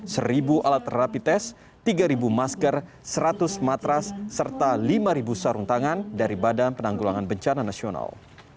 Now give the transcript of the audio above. seribu alat rapi tes tiga masker seratus matras serta lima sarung tangan dari badan penanggulangan bencana nasional